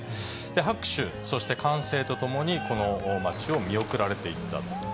拍手、そして歓声とともに、この町を見送られていったと。